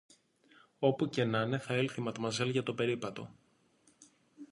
Όπου και νάναι θα έλθει η Ματμαζέλ για τον περίπατο.